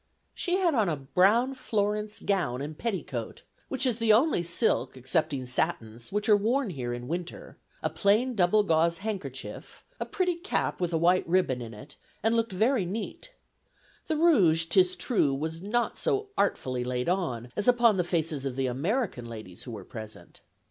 She had on a Brown Florence gown and petticoat, which is the only silk, excepting satins, which are worn here in winter a plain double gauze handkerchief, a pretty cap with a white ribbon in it, and looked very neat. The rouge, 'tis true, was not so artfully laid on, as upon the faces of the American ladies who were present.